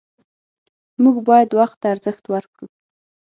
موږ باید وخت ته ارزښت ورکړو